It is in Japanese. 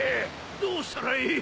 どうしたらいい！？